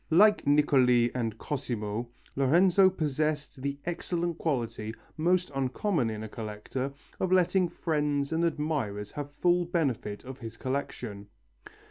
Like Niccoli and Cosimo, Lorenzo possessed the excellent quality, most uncommon in a collector, of letting friends and admirers have full benefit of his collection.